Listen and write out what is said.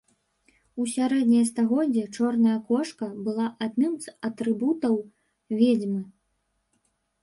У сярэднія стагоддзі чорная кошка была адным з атрыбутаў ведзьмы.